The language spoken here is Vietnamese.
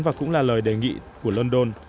và cũng là lời đề nghị của london